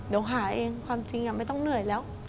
เดี๋ยวหาเองไม่ต้องเหนื่อยแล้ว